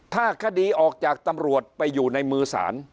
ถ้าคดีออกจากตำรวจไปอยู่ในมือศาล